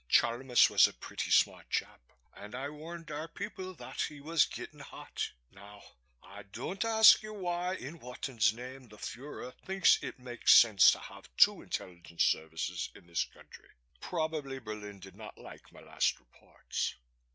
Chalmis was a pretty smart chap and I warned our people that he was getting hot. Now I don't ask you why in Wotan's name the Fuehrer thinks it makes sense to have two intelligence services in this country. Probably Berlin didn't like my last reports.